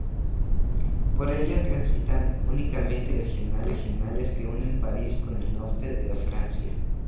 Por ella transitan únicamente trenes regionales que unen París con el norte de Francia.